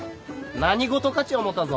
何事かち思うたぞ。